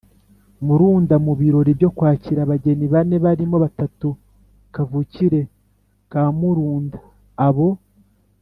murunda mu birori byo kwakira abageni bane barimo batatu kavukire ka murunda. abo